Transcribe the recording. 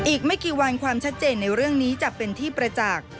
อีกไม่กี่วันความชัดเจนในเรื่องนี้จะเป็นที่ประจักษ์